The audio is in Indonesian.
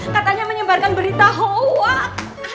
katanya menyebarkan berita hoak